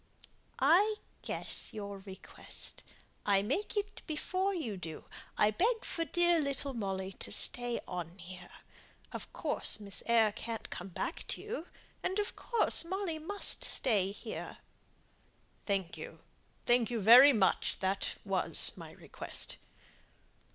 "I guess your request. I make it before you do. I beg for dear little Molly to stay on here. Of course Miss Eyre can't come back to you; and of course Molly must stay here!" "Thank you; thank you very much. That was my request."